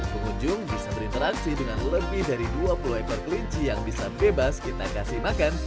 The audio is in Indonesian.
pengunjung bisa berinteraksi dengan lebih dari dua puluh ekor kelinci yang bisa bebas kita kasih makan